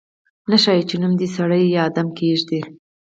نه ښايي چې نوم دې سړی یا آدمي کېږدي.